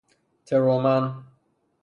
ترومن